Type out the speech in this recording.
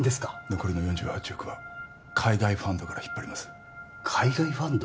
残りの４８億は海外ファンドから引っ張ります海外ファンド？